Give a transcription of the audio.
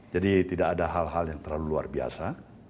jadi tidak ada hal hal yang terlalu luar biasa